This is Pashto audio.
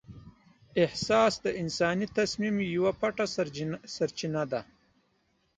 احساس د انساني تصمیم یوه پټه سرچینه ده.